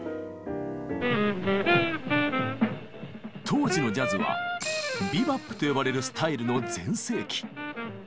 当時のジャズは「ビバップ」と呼ばれるスタイルの全盛期。